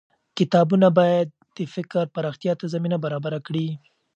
کتابونه بايد د فکر پراختيا ته زمينه برابره کړي.